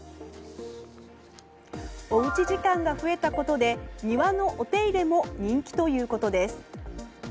おうち時間が増えたことで庭のお手入れも人気ということです。